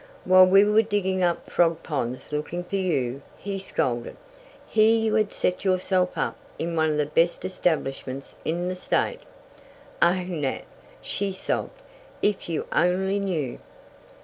"While we were digging up frog ponds looking for you," he scolded, "here you had set yourself up in one of the best establishments in the State." "Oh, Nat," she sobbed. "If you only knew!"